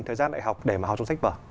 thời gian đại học để mà học trong sách vở